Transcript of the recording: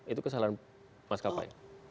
itu kesalahan mas kpi